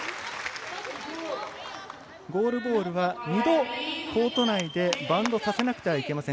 ゴールボールは２度コート内でバウンドさせなければいけません。